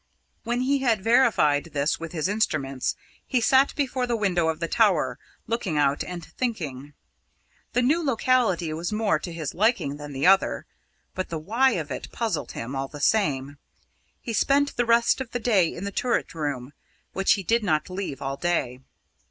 When he had verified this with his instruments, he sat before the window of the tower, looking out and thinking. The new locality was more to his liking than the other; but the why of it puzzled him, all the same. He spent the rest of the day in the turret room, which he did not leave all day.